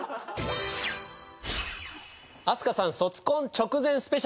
飛鳥さん卒コン直前スペシャル。